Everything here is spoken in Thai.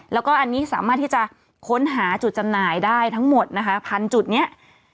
แล้วก็อันนี้สามารถที่จะค้นหาจุดจำหน่ายได้ทั้งหมดนะคะพันจุดนี้